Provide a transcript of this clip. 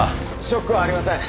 ショックはありません。